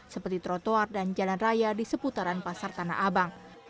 seperti trotoar dan jalan raya di seputaran pasar tanah abang